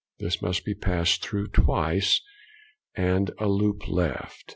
This must be passed through twice, and a loop left.